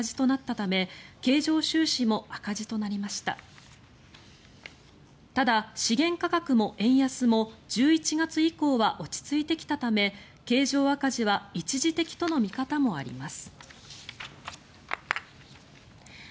ただ資源価格も円安も１１月以降は落ち着いてきたため経常赤字は一時的との見方もあります。